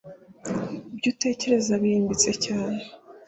Ibyo utekereza birimbitse cyane !”